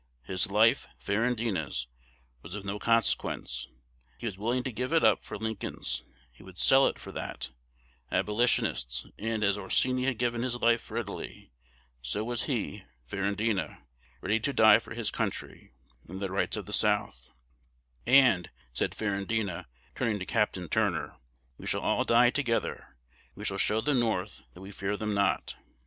His life (Ferrandina's) was of no consequence: he was willing to give it up for Lincoln's; he would sell it for that Abolitionist's; and as Orsini had given his life for Italy, so was he (Ferrandina) ready to die for his country, and the rights of the South; and, said Ferrandina, turning to Capt. Turner, 'We shall all die together: we shall show the North that we fear them not.